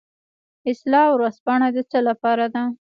اصلاح ورځپاڼه د څه لپاره ده؟